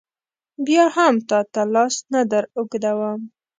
بیا هم تا ته لاس نه در اوږدوم.